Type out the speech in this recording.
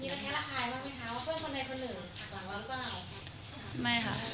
มีแคลคายบ้างมั้ยคะว่าเพื่อนคนใดคนหนึ่งถักหลังวันก็ได้